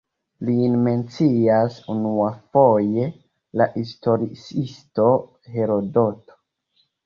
Lin mencias unuafoje la historiisto Herodoto.